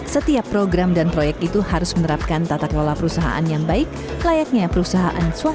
setiap program dan proyek itu harus menerapkan tata kelola perusahaan yang baik layaknya perusahaan swasta